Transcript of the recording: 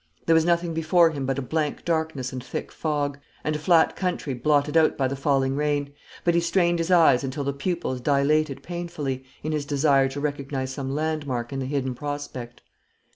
There was nothing before him but a blank darkness and thick fog, and a flat country blotted out by the falling rain; but he strained his eyes until the pupils dilated painfully, in his desire to recognise some landmark in the hidden prospect.